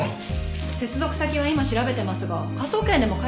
接続先は今調べてますが科捜研でも解析しますよね？